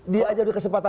kalau tobat gimana